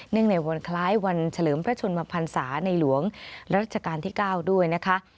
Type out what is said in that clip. ในวันคล้ายวันเฉลิมพระชนมพันศาในหลวงรัชกาลที่๙ด้วยนะคะ